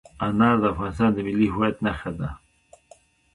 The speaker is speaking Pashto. انار د افغانستان د ملي هویت نښه ده.